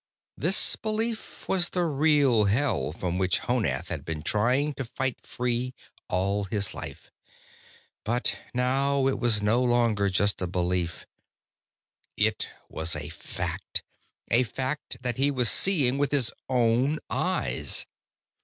This belief was the real hell from which Honath had been trying to fight free all his life but now it was no longer just a belief. It was a fact, a fact that he was seeing with his own eyes.